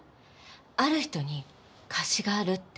ある人に貸しがあるって。